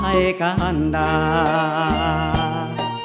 ได้ขาวว่าสาวไปบวชเปียก